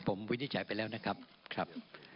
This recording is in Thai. ผมวินิจฉัยไปแล้วนะครับครับ